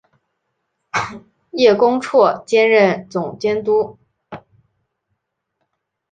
叶恭绰兼任总监督。